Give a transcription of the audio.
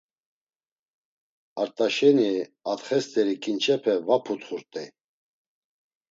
Art̆aşeni atxe st̆eri ǩinçepe va putxurt̆ey.